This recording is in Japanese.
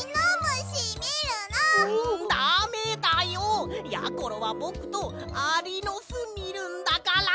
だめだよ！やころはぼくとアリのすみるんだから！